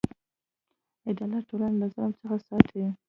عدالت ټولنه له ظلم څخه ساتي.